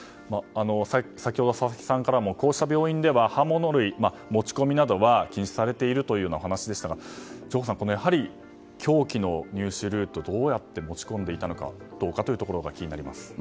先ほど、佐々木さんからもこうした病院では刃物類が持ち込みなどは禁止されているという話でしたが上法さんやはり凶器の入手ルートどうやって持ち込んでいたのかというところが気になります。